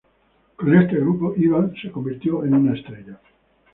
Con este grupo, Evans se convirtió en una estrella.